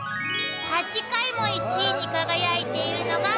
「８回も１位に輝いているのが」